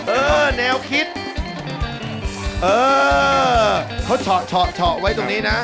เออแนวคิดเออเขาเฉาะไว้ตรงนี้นะ